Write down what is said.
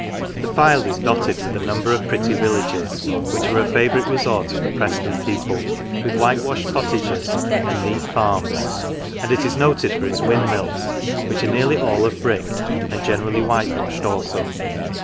The Fylde is dotted with a number of pretty villages, which are a favourite resort of the Preston people: with whitewashed cottages and neat farms: and it is noted for its windmills, which are nearly all of brick, and generally whitewashed also.